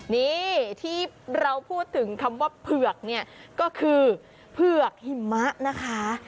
นี่ที่เราพูดถึงคำว่าเผือกเนี่ยก็คือเผือกหิมะนะคะ